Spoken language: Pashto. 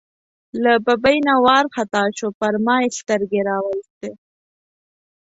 له ببۍ نه وار خطا شو، پر ما یې سترګې را وایستې.